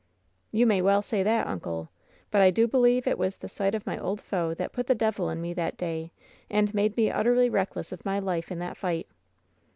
'^ You may well say that, uncle! But I do believe it was the sight of my old foe that put the devil in me that day and made me utterly reckless of my life in that fight."